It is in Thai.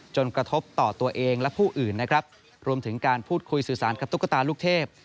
กระทบต่อตัวเองและผู้อื่นนะครับรวมถึงการพูดคุยสื่อสารกับตุ๊กตาลูกเทพ